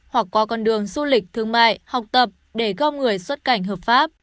hoặc qua con đường du lịch thương mại học tập để gom người xuất cảnh hợp pháp